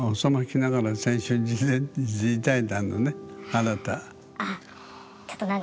あなた。